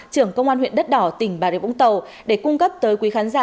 trưởng công an huyện đất đỏ tỉnh bà rịa vũng tàu để cung cấp tới quý khán giả